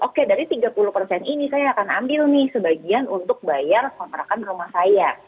oke dari tiga puluh ini saya akan ambil nih sebagian untuk bayar kontrakan rumah saya